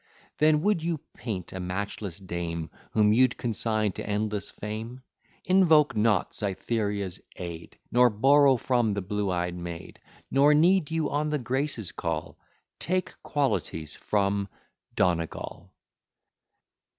Then, would you paint a matchless dame, Whom you'd consign to endless fame? Invoke not Cytherea's aid, Nor borrow from the blue eyed maid; Nor need you on the Graces call; Take qualities from Donegal.